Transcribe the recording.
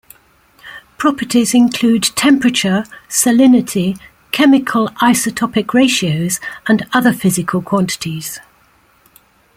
Properties include temperature, salinity, chemical - isotopic ratios, and other physical quantities.